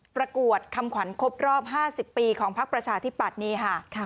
ประกวดคำขวัญครบรอบ๕๐ปีของพักประชาธิปัตย์นี่ค่ะ